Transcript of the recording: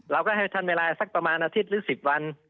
เราก็ให้ท่านเวลาสักประมาณอาทิตย์หรือ๑๐วัน